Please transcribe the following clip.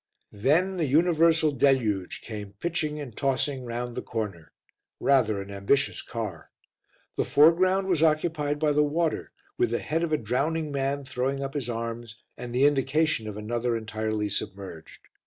Then The Universal Deluge came pitching and tossing round the corner rather an ambitious car. The foreground was occupied by the water, with the head of a drowning man throwing up his arms, and the indication of another entirely submerged.